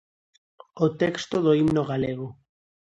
O texto do Himno Galego.